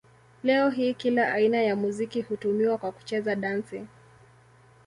Leo hii kila aina ya muziki hutumiwa kwa kucheza dansi.